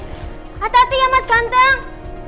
hati hati ya mas kantong